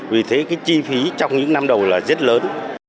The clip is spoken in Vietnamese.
vì thế cái chi phí trong những năm đầu là rất lớn